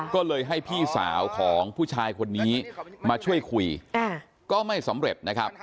ก็เลยให้พี่สาวของผู้ชายคนนี้มาช่วยคุยก็ไม่สำเร็จนะครับ